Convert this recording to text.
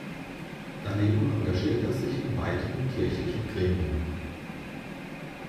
Daneben engagiert er sich in weiteren kirchlichen Gremien.